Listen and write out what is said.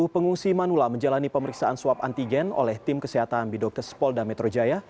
sepuluh pengungsi manula menjalani pemeriksaan swab antigen oleh tim kesehatan bidokes polda metro jaya